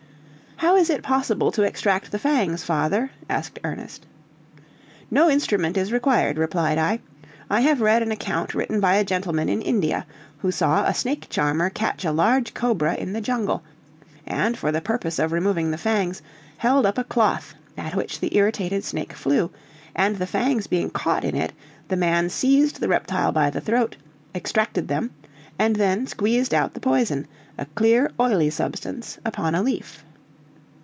"How is it possible to extract the fangs, father!" asked Ernest. "No instrument is required," replied I; "I have read the account written by a gentleman in India, who saw a snake charmer catch a large cobra in the jungle, and for the purpose of removing the fangs, hold up a cloth at which the irritated snake flew, and the fangs being caught in it, the man seized the reptile by the throat, extracted them, and then squeezed out the poison, a clear oily substance, upon a leaf."